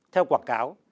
theo quảng cáo